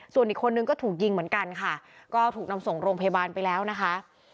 ส่วนอีกคนนึงก็ถูกยิงเหมือนกันค่ะก็ถูกนำส่งโรงพยาบาลไปแล้วนะคะ